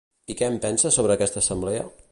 I què en pensa sobre aquesta assemblea?